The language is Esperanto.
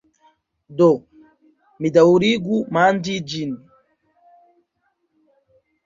Do, mi daŭrigu manĝi ĝin.